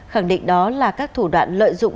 khẳng định đó là các thủ đoạn lợi dụng